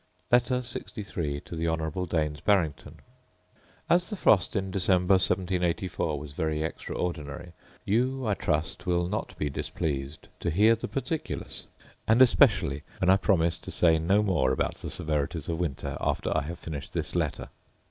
Letter LXIII To The Honourable Daines Barrington As the frost in December, 1784, was very extraordinary, you, I trust, will not be displeased to hear the particulars; and especially when I promise to say no more about the severities of winter after I have finished this letter.